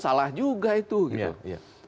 salah juga itu gitu